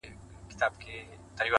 بيا دي توري سترگي زما پر لوري نه کړې”